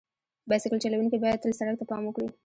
بایسکل چلونکي باید تل سړک ته پام وکړي.